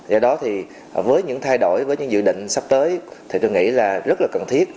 do đó thì với những thay đổi với những dự định sắp tới thì tôi nghĩ là rất là cần thiết